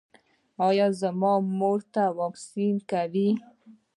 ایا زما مور ته واکسین کوئ؟